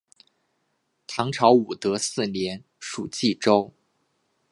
唐朝武德四年属济州。